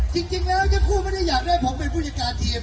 จริงแล้วทั้งคู่ไม่ได้อยากได้ผมเป็นผู้จัดการทีม